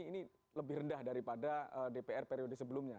ini lebih rendah daripada dpr periode sebelumnya